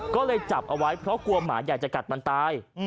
ก็เลยจับเอาไว้เพราะกลัวหมาใหญ่จะกัดมันตาย